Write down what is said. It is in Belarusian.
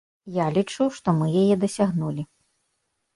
Я лічу, што мы яе дасягнулі.